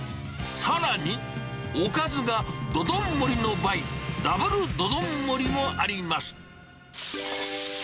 さらに、おかずがどどん盛りの倍、Ｗどどん盛りもあります。